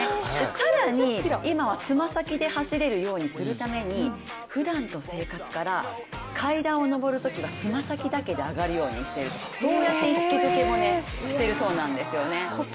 更に今は爪先で走れるようにするためにふだんの生活から階段を上るときは爪先だけで上がるようにしてるそうやって意識付けもしてるそうなんですよね。